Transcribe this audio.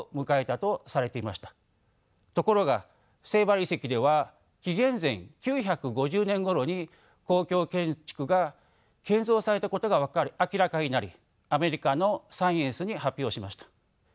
ところがセイバル遺跡では紀元前９５０年ごろに公共建築が建造されたことが明らかになりアメリカの「サイエンス」に発表しました。